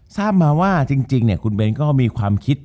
ทราบมาว่าจริงคุณเบ้นก็มีความคิด